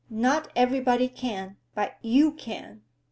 "Not everybody can, but you can.